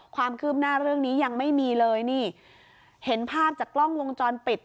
ความคืบหน้าเรื่องนี้ยังไม่มีเลยนี่เห็นภาพจากกล้องวงจรปิด